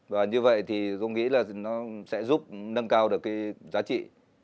và như vậy thì tôi nghĩ là nó sẽ giúp nâng cao được cái giá trị